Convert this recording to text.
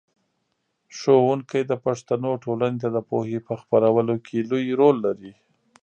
ښوونکی د پښتنو ټولنې ته د پوهې په خپرولو کې لوی رول لري.